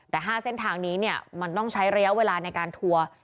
แต่ห้าเส้นทางนี้เนี่ยมันต้องใช้เรียวเวลาในการทัวร์